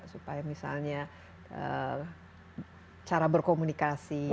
supaya misalnya cara berkomunikasi